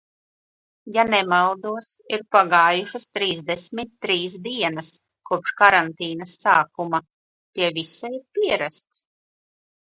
Ja nemaldos, ir pagājušas trīsdesmit trīs dienas kopš karantīnas sākuma, pie visa ir pierasts.